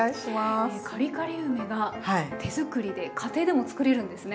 カリカリ梅が手作りで家庭でも作れるんですね。